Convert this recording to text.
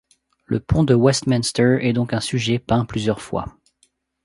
Le pont de Westminster est donc un sujet peint plusieurs fois.